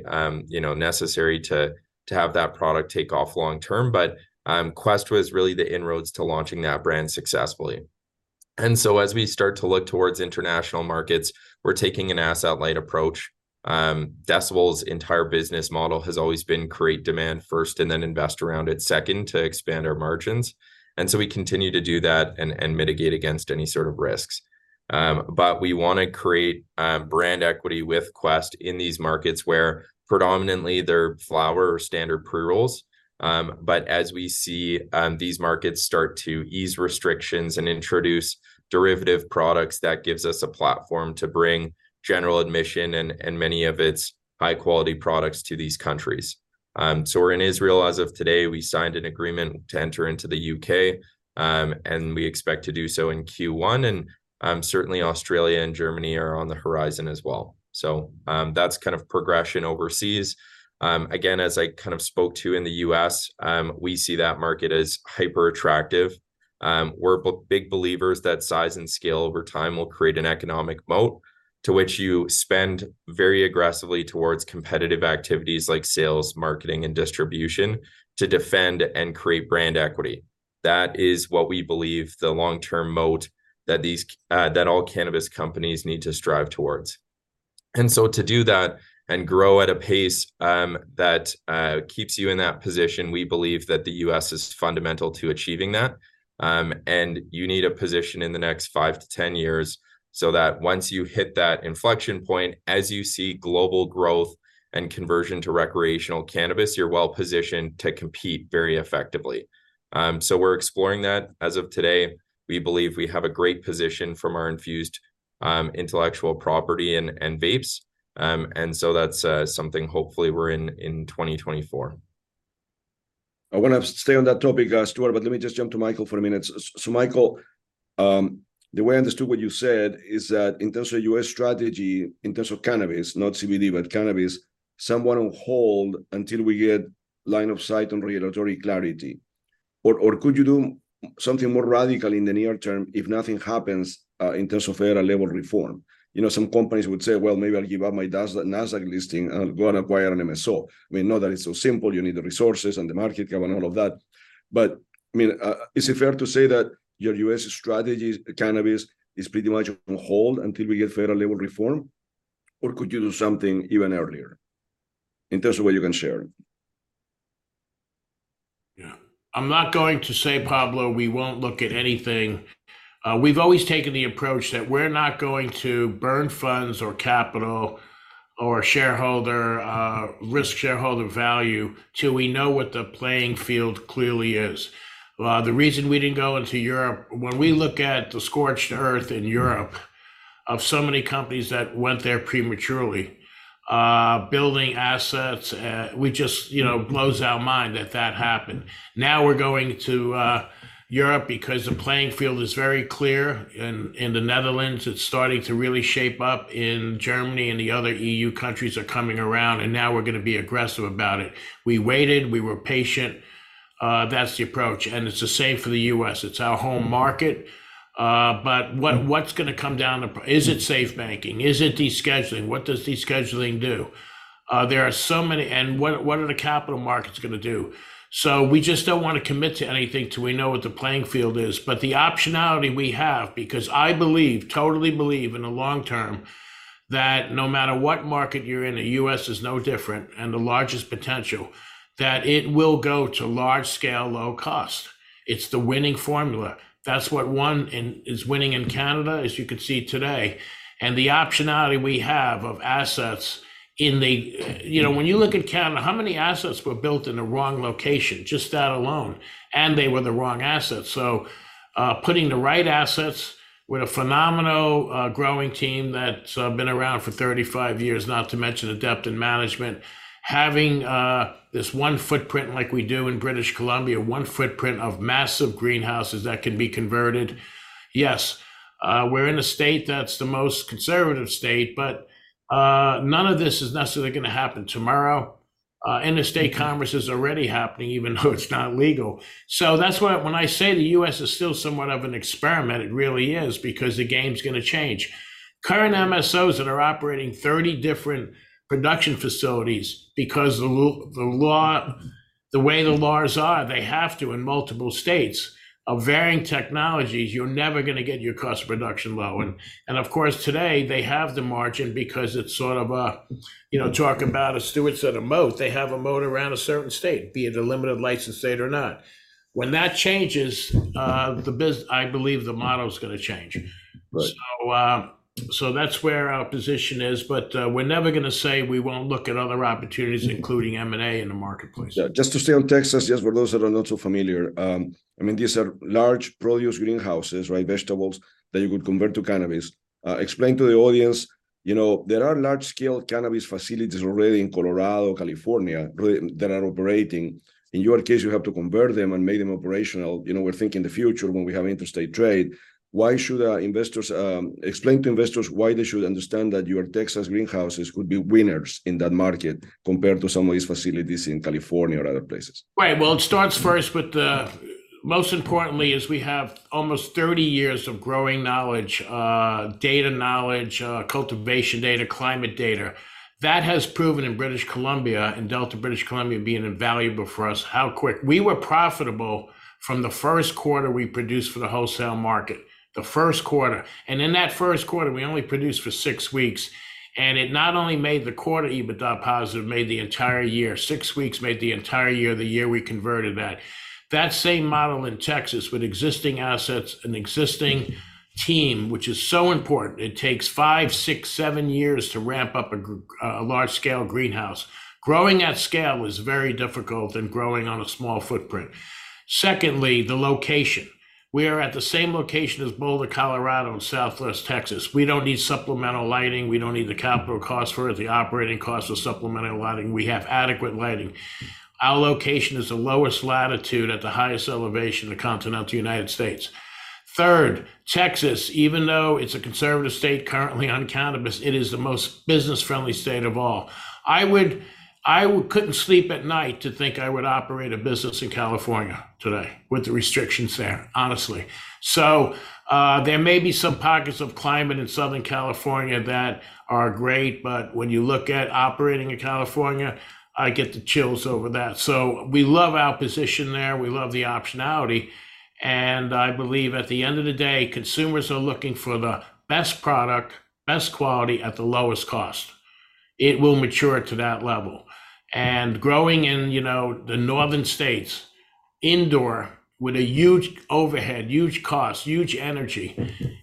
you know, necessary to have that product take off long term. But, Qwest was really the inroads to launching that brand successfully. And so as we start to look towards international markets, we're taking an asset-light approach. Decibel's entire business model has always been create demand first, and then invest around it second, to expand our margins, and so we continue to do that and, and mitigate against any sort of risks. But we wanna create, brand equity with Qwest in these markets, where predominantly they're flower or standard pre-rolls. But as we see, these markets start to ease restrictions and introduce derivative products, that gives us a platform to bring General Admission and, and many of its high-quality products to these countries. So we're in Israel as of today. We signed an agreement to enter into the U.K., and we expect to do so in Q1, and, certainly Australia and Germany are on the horizon as well. So, that's kind of progression overseas. Again, as I kind of spoke to in the U.S., we see that market as hyper attractive. We're big believers that size and scale over time will create an economic moat, to which you spend very aggressively towards competitive activities like sales, marketing, and distribution, to defend and create brand equity. That is what we believe the long-term moat, that all cannabis companies need to strive towards. And so to do that and grow at a pace that keeps you in that position, we believe that the U.S. is fundamental to achieving that. You need a position in the next 5-10 years, so that once you hit that inflection point, as you see global growth and conversion to recreational cannabis, you're well-positioned to compete very effectively. So we're exploring that. As of today, we believe we have a great position from our infused intellectual property and vapes. So that's something hopefully we're in 2024. I wanna stay on that topic, Stuart, but let me just jump to Michael for a minute. So, Michael, the way I understood what you said is that in terms of US strategy, in terms of cannabis, not CBD, but cannabis, somewhat on hold until we get line of sight on regulatory clarity. Or, could you do something more radical in the near term if nothing happens, in terms of federal-level reform? You know, some companies would say, "Well, maybe I'll give up my Nasdaq listing and go and acquire an MSO." I mean, not that it's so simple, you need the resources and the market cap and all of that, but, I mean, is it fair to say that your U.S. strategy cannabis is pretty much on hold until we get federal-level reform, or could you do something even earlier, in terms of what you can share? Yeah. I'm not going to say, Pablo, we won't look at anything. We've always taken the approach that we're not going to burn funds or capital or shareholder risk shareholder value till we know what the playing field clearly is. The reason we didn't go into Europe, when we look at the scorched earth in Europe of so many companies that went there prematurely, building assets, we just... You know, it blows our mind that that happened. Now we're going to Europe because the playing field is very clear. In the Netherlands, it's starting to really shape up. In Germany, and the other EU countries are coming around, and now we're gonna be aggressive about it. We waited, we were patient. That's the approach, and it's the same for the U.S. It's our home market. Mm-hmm. But what, what's gonna come down to... Is it SAFE Banking? Is it descheduling? What does descheduling do? There are so many- and what, what are the capital markets gonna do? So we just don't want to commit to anything till we know what the playing field is. But the optionality we have, because I believe, totally believe in the long term, that no matter what market you're in, the U.S. is no different, and the largest potential, that it will go to large scale, low cost. It's the winning formula. That's what won in, is winning in Canada, as you can see today. And the optionality we have of assets in the... You know, when you look at Canada, how many assets were built in the wrong location? Just that alone, and they were the wrong assets. So, putting the right assets with a phenomenal growing team that's been around for 35 years, not to mention the depth in management. Having this one footprint like we do in British Columbia, one footprint of massive greenhouses that can be converted. Yes, we're in a state that's the most conservative state, but none of this is necessarily gonna happen tomorrow. And the state congress is already happening, even though it's not legal. So that's why when I say the U.S. is still somewhat of an experiment, it really is, because the game's gonna change. Current MSOs that are operating 30 different production facilities because the law, the way the laws are, they have to in multiple states, of varying technologies, you're never gonna get your cost of production low. Of course, today they have the margin because it's sort of a, you know, talking about a sort of set of moats. They have a moat around a certain state, be it a limited license state or not. When that changes, I believe the business model's gonna change. Right. So, that's where our position is, but, we're never gonna say we won't look at other opportunities, including M&A in the marketplace. Yeah, just to stay on Texas, yes, for those that are not so familiar, I mean, these are large produce greenhouses, right? Vegetables that you could convert to cannabis. Explain to the audience, you know, there are large-scale cannabis facilities already in Colorado, California, that are operating. In your case, you have to convert them and make them operational. You know, we're thinking the future when we have interstate trade, why should investors explain to investors why they should understand that your Texas greenhouses could be winners in that market compared to some of these facilities in California or other places? Right. Well, it starts first with, most importantly, is we have almost 30 years of growing knowledge, data knowledge, cultivation data, climate data. That has proven in British Columbia, in Delta, British Columbia, being invaluable for us, how quick we were profitable from the first quarter we produced for the wholesale market, the first quarter. And in that first quarter, we only produced for six weeks, and it not only made the quarter EBITDA positive, it made the entire year. Six weeks made the entire year, the year we converted that. That same model in Texas with existing assets and existing team, which is so important, it takes five, six, seven years to ramp up a large-scale greenhouse. Growing at scale is very difficult than growing on a small footprint. Secondly, the location. We are at the same location as Boulder, Colorado, and Southwest Texas. We don't need supplemental lighting, we don't need the capital costs for it, the operating costs of supplemental lighting. We have adequate lighting. Our location is the lowest latitude at the highest elevation in the continental United States. Third, Texas, even though it's a conservative state currently on cannabis, it is the most business-friendly state of all. I couldn't sleep at night to think I would operate a business in California today with the restrictions there, honestly. So, there may be some pockets of climate in Southern California that are great, but when you look at operating in California, I get the chills over that. So we love our position there, we love the optionality, and I believe at the end of the day, consumers are looking for the best product, best quality, at the lowest cost. It will mature to that level. And growing in, you know, the northern states, indoor, with a huge overhead, huge cost, huge energy,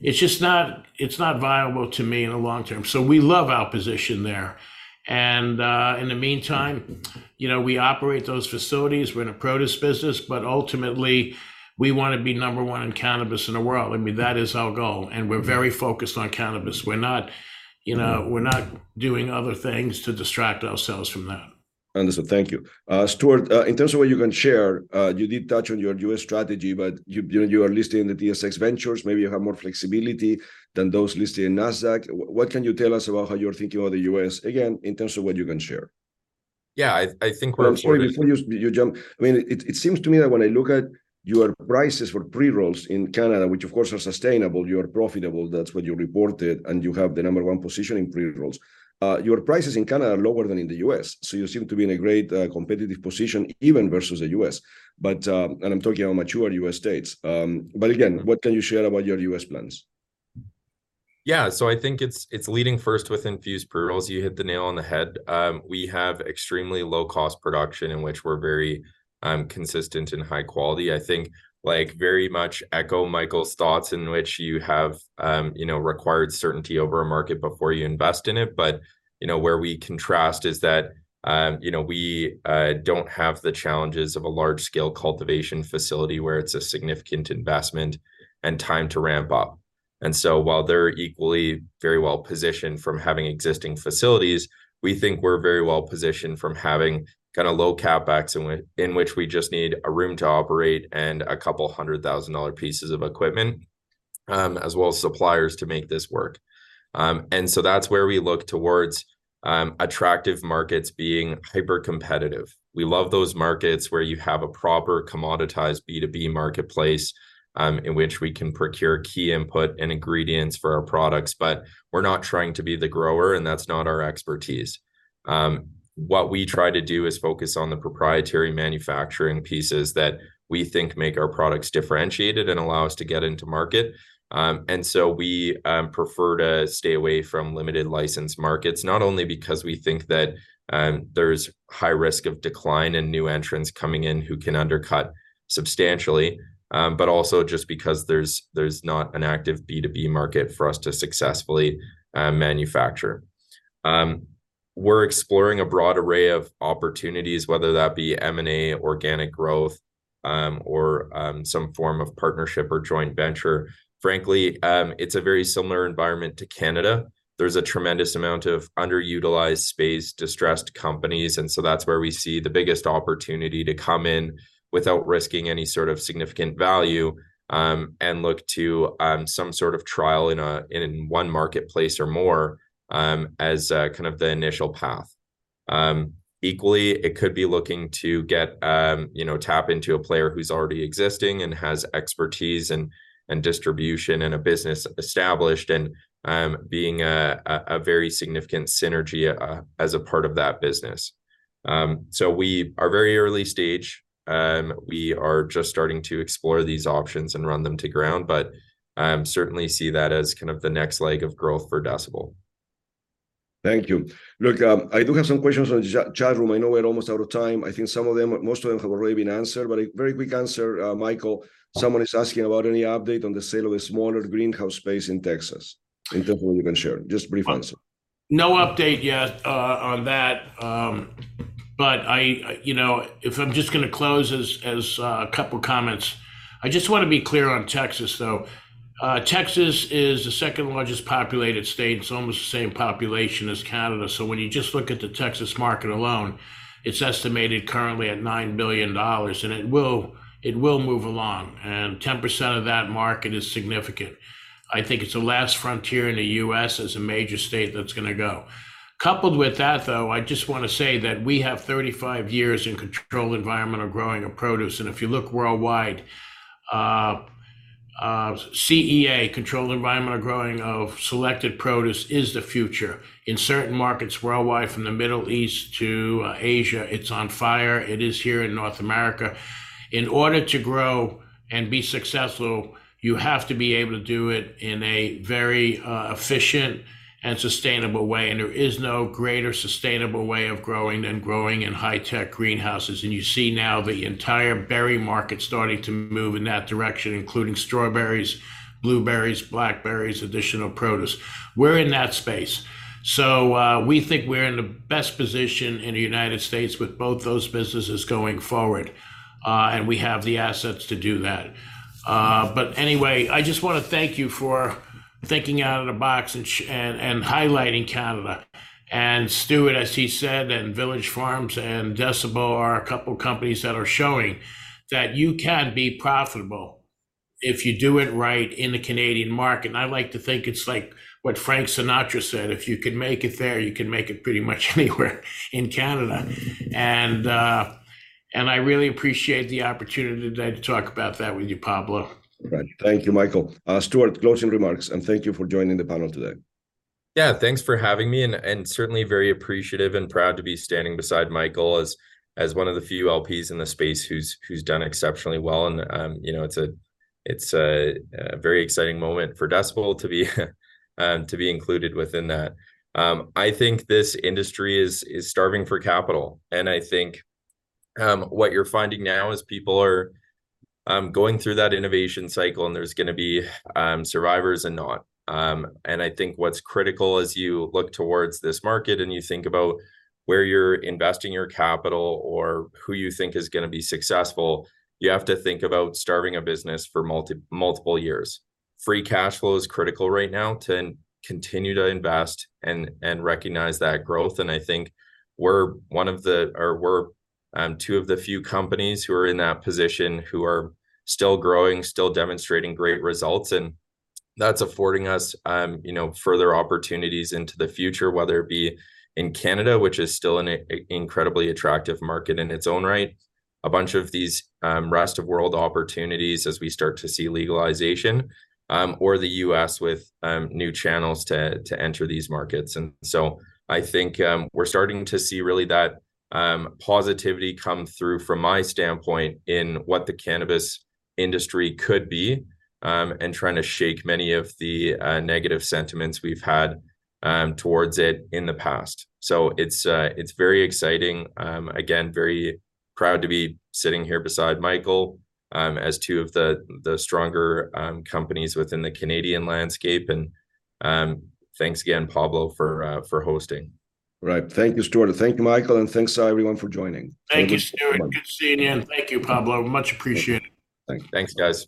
it's just not, it's not viable to me in the long term. So we love our position there. And, in the meantime, you know, we operate those facilities, we're in a produce business, but ultimately, we wanna be number one in cannabis in the world. I mean, that is our goal, and we're very focused on cannabis. We're not, you know, we're not doing other things to distract ourselves from that. Understood. Thank you. Stuart, in terms of what you can share, you did touch on your U.S. strategy, but you, you are listed in the TSX Venture, maybe you have more flexibility than those listed in NASDAQ. What can you tell us about how you're thinking about the U.S., again, in terms of what you can share? Yeah, I think we're- Sorry, before you jump... I mean, it seems to me that when I look at your prices for pre-rolls in Canada, which of course are sustainable, you are profitable, that's what you reported, and you have the number one position in pre-rolls. Your prices in Canada are lower than in the U.S., so you seem to be in a great competitive position, even versus the U.S. But, and I'm talking about mature U.S. states. But again, what can you share about your U.S. plans? Yeah, so I think it's leading first with infused pre-rolls. You hit the nail on the head. We have extremely low-cost production in which we're very consistent and high quality. I think, like, very much echo Michael's thoughts in which you have, you know, required certainty over a market before you invest in it. But, you know, where we contrast is that, you know, we don't have the challenges of a large-scale cultivation facility where it's a significant investment and time to ramp up. And so while they're equally very well-positioned from having existing facilities, we think we're very well-positioned from having kind of low CapEx, in which we just need a room to operate and $200,000 pieces of equipment, as well as suppliers to make this work. That's where we look towards attractive markets being hypercompetitive. We love those markets where you have a proper commoditized B2B marketplace in which we can procure key input and ingredients for our products, but we're not trying to be the grower, and that's not our expertise. What we try to do is focus on the proprietary manufacturing pieces that we think make our products differentiated and allow us to get into market. We prefer to stay away from limited license markets, not only because we think that there's high risk of decline in new entrants coming in who can undercut substantially, but also just because there's not an active B2B market for us to successfully manufacture. We're exploring a broad array of opportunities, whether that be M&A, organic growth, or some form of partnership or joint venture. Frankly, it's a very similar environment to Canada. There's a tremendous amount of underutilized space, distressed companies, and so that's where we see the biggest opportunity to come in without risking any sort of significant value, and look to some sort of trial in one marketplace or more, as kind of the initial path... Equally, it could be looking to get, you know, tap into a player who's already existing and has expertise and distribution and a business established, and being a very significant synergy as a part of that business. So we are very early stage. We are just starting to explore these options and run them to ground, but certainly see that as kind of the next leg of growth for Decibel. Thank you. Look, I do have some questions on the chat room. I know we're almost out of time. I think some of them, most of them have already been answered, but a very quick answer, Michael, someone is asking about any update on the sale of a smaller greenhouse space in Texas, in terms of what you can share. Just a brief answer. No update yet on that. But you know, if I'm just gonna close with a couple comments, I just wanna be clear on Texas, though. Texas is the second largest populated state. It's almost the same population as Canada. So when you just look at the Texas market alone, it's estimated currently at $9 billion, and it will, it will move along, and 10% of that market is significant. I think it's the last frontier in the U.S. as a major state that's gonna go. Coupled with that, though, I just wanna say that we have 35 years in controlled environmental growing of produce, and if you look worldwide, CEA, controlled environment growing of selected produce, is the future. In certain markets worldwide, from the Middle East to Asia, it's on fire. It is here in North America. In order to grow and be successful, you have to be able to do it in a very, efficient and sustainable way, and there is no greater sustainable way of growing than growing in high-tech greenhouses. You see now the entire berry market starting to move in that direction, including strawberries, blueberries, blackberries, additional produce. We're in that space, so, we think we're in the best position in the United States with both those businesses going forward, and we have the assets to do that. But anyway, I just wanna thank you for thinking out of the box and and highlighting Canada. Stuart, as he said, and Village Farms and Decibel are a couple companies that are showing that you can be profitable if you do it right in the Canadian market. And I like to think it's like what Frank Sinatra said, "If you can make it there, you can make it pretty much anywhere in Canada." And, and I really appreciate the opportunity today to talk about that with you, Pablo. Right. Thank you, Michael. Stuart, closing remarks, and thank you for joining the panel today. Yeah, thanks for having me, and certainly very appreciative and proud to be standing beside Michael as one of the few LPs in the space who's done exceptionally well. And, you know, it's a very exciting moment for Decibel to be included within that. I think this industry is starving for capital, and I think what you're finding now is people are going through that innovation cycle, and there's gonna be survivors and not. And I think what's critical as you look towards this market and you think about where you're investing your capital or who you think is gonna be successful, you have to think about starting a business for multiple years. Free cash flow is critical right now to continue to invest and recognize that growth, and I think we're one of the... or we're two of the few companies who are in that position, who are still growing, still demonstrating great results, and that's affording us, you know, further opportunities into the future, whether it be in Canada, which is still an incredibly attractive market in its own right. A bunch of these rest of world opportunities as we start to see legalization, or the U.S. with new channels to enter these markets. And so I think we're starting to see really that positivity come through from my standpoint in what the cannabis industry could be, and trying to shake many of the negative sentiments we've had towards it in the past. So it's very exciting. Again, very proud to be sitting here beside Michael, as two of the stronger companies within the Canadian landscape. Thanks again, Pablo, for hosting. Right. Thank you, Stuart. Thank you, Michael, and thanks to everyone for joining. Thank you, Stuart. Thank you. Good seeing you, and thank you, Pablo. Much appreciated. Thank you. Thanks, guys.